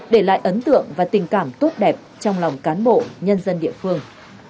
để lại ấn tượng và tình cảm tốt đẹp trong lòng cán bộ nhân dân địa phương